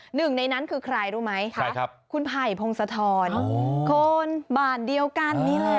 หนึ่งในนั้นคือใครรู้ไหมคะคุณไผ่พงศธรคนบ้านเดียวกันนี่แหละ